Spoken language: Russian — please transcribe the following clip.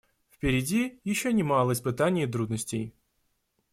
Впереди еще немало испытаний и трудностей.